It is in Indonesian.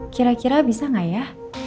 kira kira bisa nggak ya